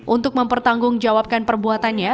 untuk mempertanggungjawabkan perbuatannya